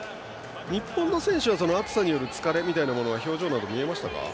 日本の選手は暑さによる疲れみたいなものは表情などから見えましたか？